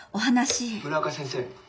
「村岡先生。